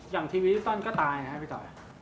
อย่างทีวีที่ต้องก็ตายนะพี่ต่อย